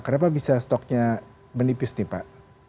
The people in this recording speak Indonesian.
kenapa bisa stoknya menipis nih pak